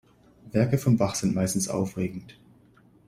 Werke von Bach sind meistens aufregend.